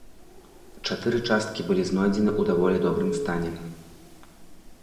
Чатыры часткі былі знойдзены ў даволі добрым стане.